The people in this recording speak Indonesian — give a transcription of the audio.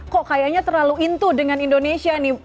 kok kayaknya terlalu intu dengan indonesia nih